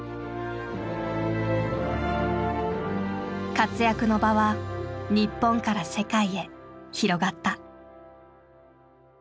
活躍の場は日本から世界へ広がった。